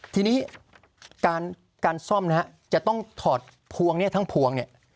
ทีนี้การซ่อมนะฮะจะต้องถอดพวงเนี่ยทั้งพวงเนี่ย